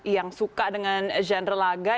yang suka dengan genre laga